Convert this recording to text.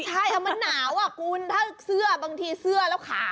ใช่มันหนาวเชื่อบางทีเสื้อแล้วขา